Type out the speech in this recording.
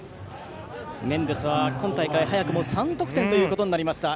メンデスは今大会早くも３得点となりました。